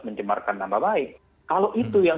mencemarkan nama baik kalau itu yang